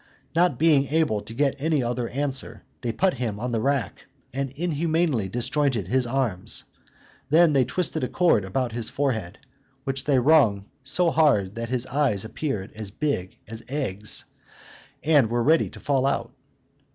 Not being able to get any other answer, they put him on the rack, and inhumanly disjointed his arms; then they twisted a cord about his forehead, which they wrung so hard that his eyes appeared as big as eggs, and were ready to fall out.